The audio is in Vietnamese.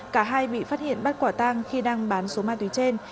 cả hai bị phát hiện bắt quả tang khi đang bán số ma túy trên